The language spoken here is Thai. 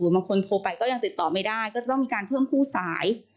บางคนโทรไปก็ยังติดต่อไม่ได้ก็จะต้องมีการเพิ่มคู่สาย